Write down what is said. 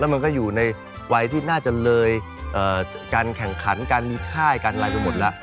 มันก็อยู่ในวัยที่น่าจะเลยการแข่งขันการมีค่ายการอะไรไปหมดแล้ว